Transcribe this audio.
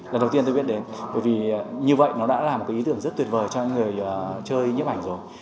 lần đầu tiên tôi biết đến bởi vì như vậy nó đã là một ý tưởng rất tuyệt vời cho những người chơi nhếp ảnh rồi